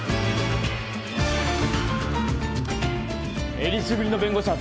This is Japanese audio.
えりすぐりの弁護士集めろ。